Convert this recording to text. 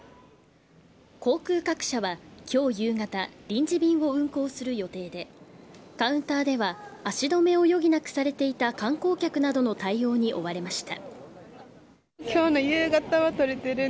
航空各社は今日夕方臨時便を運航する予定でカウンターでは足止めを余儀なくされていた観光客などの対応に追われました。